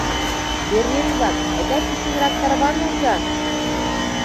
— Пӧръеҥ-влак, айда писынрак тарванылза!